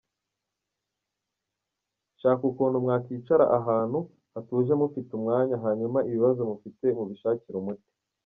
Shaka ukuntu mwakwicara ahantu hatuje mufite umwanya hanyuma ibibazo mufite mubishakire umuti.